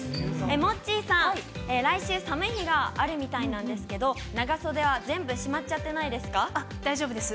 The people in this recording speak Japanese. モッチーさん、来週、寒い日があるみたいなんですけど、長袖は全部しまっちゃってないですか？